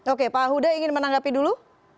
oke pak huda ingin menanggapi dulu